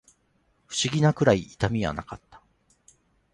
不思議なくらい痛みはなかった